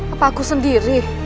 apa aku sendiri